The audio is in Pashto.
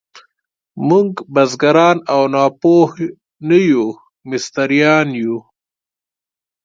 موږ بزګران او ناپوه نه یو، مستریان یو.